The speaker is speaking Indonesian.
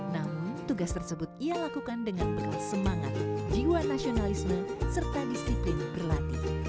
namun tugas tersebut ia lakukan dengan bekal semangat jiwa nasionalisme serta disiplin berlatih